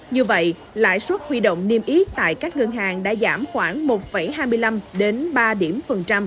như vậy lãi xuất huy động niêm yết tại các ngân hàng đã giảm khoảng một hai mươi năm ba